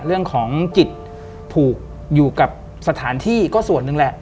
เรื่องของจิตผูกอยู่กับสถานที่ก็ส่วนหนึ่งแหละ